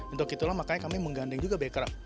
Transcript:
untuk itulah makanya kami menggandeng juga bekraf